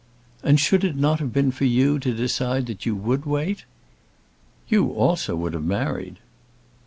"And should it not have been for you to decide that you would wait?" "You also would have married."